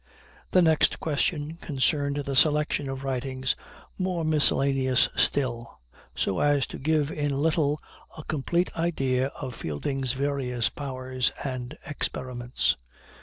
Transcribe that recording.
The next question concerned the selection of writings more miscellaneous still, so as to give in little a complete idea of Fielding's various powers and experiments.